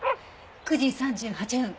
９時３８分。